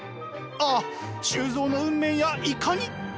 ああ周造の運命やいかに！